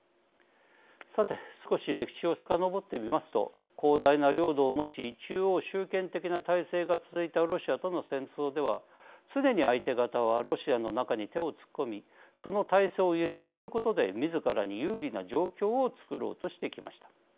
さて、少し歴史をさかのぼってみますと広大な領土を持ち中央集権的な体制が続いたロシアとの戦争では常に相手方はロシアの中に手を突っ込みその体制を揺さぶることでみずからに有利な状況を作ろうとしてきました。